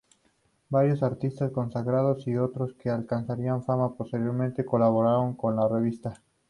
Varios artistas consagrados, y otros que alcanzarían fama posteriormente, colaboraron con la revista.